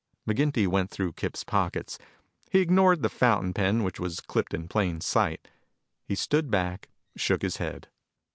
McGinty went through Kip's pockets. He ignored the fountain pen which was clipped in plain sight. He stood back, shook his head.